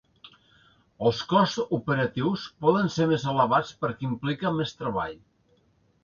Els costs operatius poden ser més elevats perquè implica més treball.